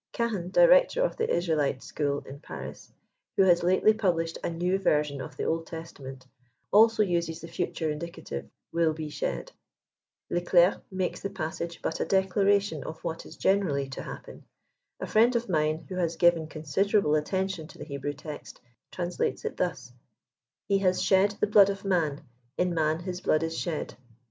Cahen, director of the Israelite school in Paris, who has lately published a new version of the Old Testament, also uses the future indicative, " will be shed." Le Clerc makes the passage but a declaration of what is generally to happen. A friend of mine, who has given con siderable attention to the Hebrew text, translates it thus :" He has shed the blood of man, in man his blood is shed."